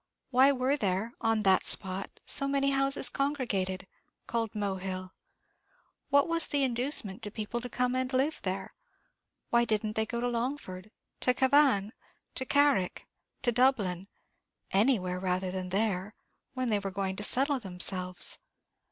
why were there, on that spot, so many houses congregated, called Mohill? what was the inducement to people to come and live there? Why didn't they go to Longford, to Cavan, to Carrick, to Dublin, anywhere rather than there, when they were going to settle themselves?"